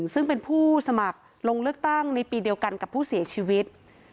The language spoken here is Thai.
ซึ่งเป็นผู้สมัครลงเลือกตั้งในปีเดียวกันกับผู้เสียชีวิต